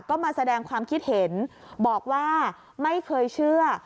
ก็มาแสดงความคิดเห็นบอกว่าไม่เคยเชื่อ